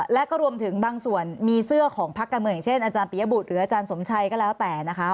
และก็รวมถึงบางส่วนมีเสื้อของพักการเมืองอย่างเช่นอาจารย์ปียบุตรหรืออาจารย์สมชัยก็แล้วแต่นะคะ